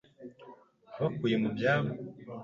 Wabakuye mu byabo